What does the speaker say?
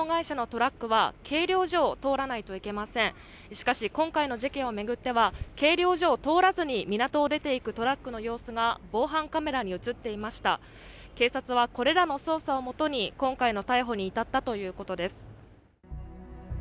しかし今回の事件を巡っては、計量所を通らずに、港を出ていくトラックの様子が防犯カメラに映っていました警察はこれらの捜査をもとに、今回の逮捕に至ったということです。